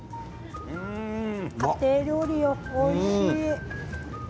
家庭料理よ、おいしい。